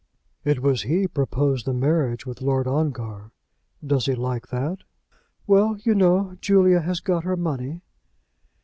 "It was he proposed the marriage with Lord Ongar. Does he like that?" "Well; you know, Julia has got her money."